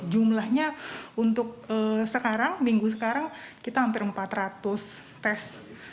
jumlahnya untuk sekarang minggu sekarang kita hampir empat ratus tes